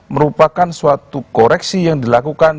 merupakan suatu koreksi yang dilakukan